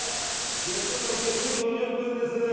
月曜日から金曜日９時５０分です。